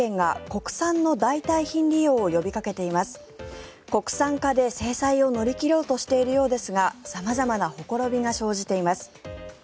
国産化で生産を乗り切ろうとしているようですが様々なほころびが生じています。